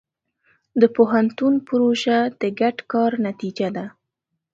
د پوهنتون پروژه د ګډ کار نتیجه ده.